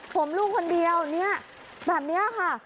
ผมลูกคนเดียวแบบนี้ค่ะ